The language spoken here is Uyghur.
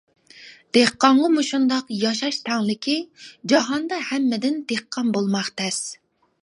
دېھقانغا مۇشۇنداق ياشاش تەڭلىكى، جاھاندا ھەممىدىن دېھقان بولماق تەس.